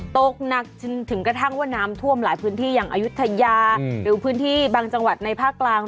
ตกหนักจนถึงกระทั่งว่าน้ำท่วมหลายพื้นที่อย่างอายุทยาหรือพื้นที่บางจังหวัดในภาคกลาง